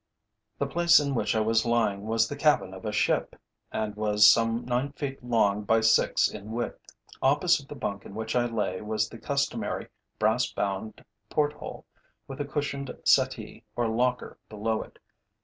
The place in which I was lying was the cabin of a ship, and was some nine feet long by six in width. Opposite the bunk in which I lay, was the customary brass bound port hole, with a cushioned settee, or locker, below it.